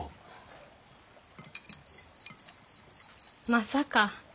まさか。